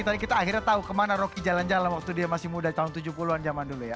tadi kita akhirnya tahu kemana rocky jalan jalan waktu dia masih muda tahun tujuh puluh an zaman dulu ya